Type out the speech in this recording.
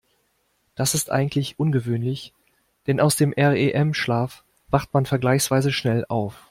Das ist eigentlich ungewöhnlich, denn aus dem REM-Schlaf wacht man vergleichsweise schnell auf.